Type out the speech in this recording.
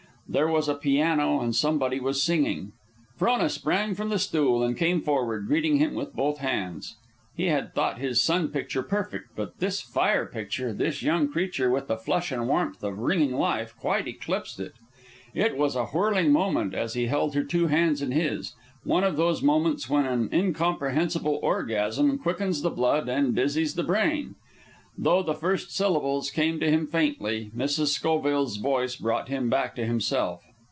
There was a piano; and somebody was singing. Frona sprang from the stool and came forward, greeting him with both hands. He had thought his sun picture perfect, but this fire picture, this young creature with the flush and warmth of ringing life, quite eclipsed it. It was a whirling moment, as he held her two hands in his, one of those moments when an incomprehensible orgasm quickens the blood and dizzies the brain. Though the first syllables came to him faintly, Mrs. Schoville's voice brought him back to himself.